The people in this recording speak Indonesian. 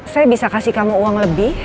saya bisa kasih kamu uang lebih